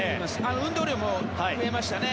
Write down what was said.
運動量も増えましたね。